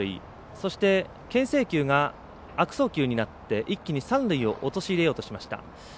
そして、けん制球が悪送球になって一気に三塁を陥れようとしました。